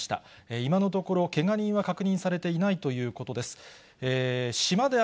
今のところ、けが人は確認されていないということです。